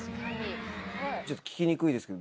ちょっと聞きにくいですけど。